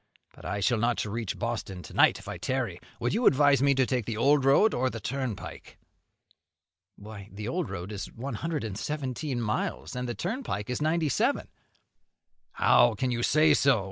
But I shall not reach Boston to night if I tarry. Would you advise me to take the old road, or the turnpike?" "Why, the old road is one hundred and seventeen miles, and the turnpike is ninety seven." "How can you say so?